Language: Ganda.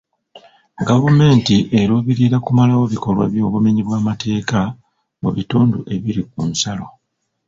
Gavumenti eruubirira kumalawo bikolwa by'obumenyi bw'amateeka mu bitundu ebiri ku nsalo.